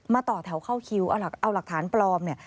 มาต่อแถวเข้าคิวเอาหลักฐานปลอม